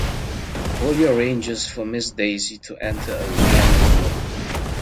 Boolie arranges for Miss Daisy to enter a retirement home.